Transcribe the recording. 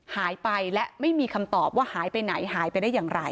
หายไปและไม่มีคำตอบว่าหายไปไหนหายไปได้อย่างไร